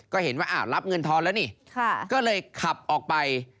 ก็เห็นว่าอ่ารับเงินทอนแล้วนี่